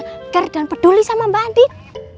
keker dan peduli sama mbak andin